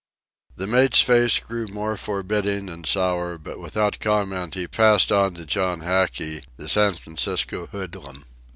The mate's face grew more forbidding and sour, but without comment he passed on to John Hackey, the San Francisco hoodlum.